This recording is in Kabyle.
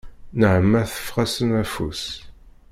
Nneɛma teffeɣ-asen afus.